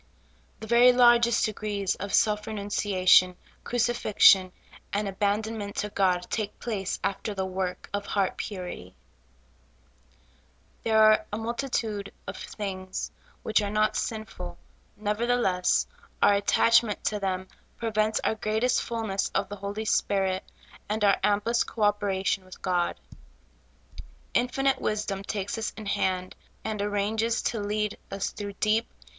The very largest degrees of self renunciation, crucifixion, and abandonment to God, take place after the work of heart purit}^ There are a multitude of things which are not sinful ; nevertheless, our attachment to them prevents our greatest fulness of the Holy Spirit and our amplest co operation with God. Infinite wisdom takes us in hand, and arranges to lead us through deep, 12 SOUL FOOD.